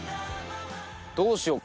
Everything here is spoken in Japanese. どうしようか？